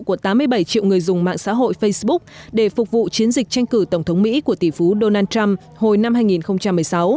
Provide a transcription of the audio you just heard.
của tám mươi bảy triệu người dùng mạng xã hội facebook để phục vụ chiến dịch tranh cử tổng thống mỹ của tỷ phú donald trump hồi năm hai nghìn một mươi sáu